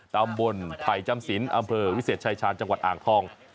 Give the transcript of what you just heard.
ตำบลไผ่จำสินอำเภอวิเศษชายชาญจังหวัดอ่างทอง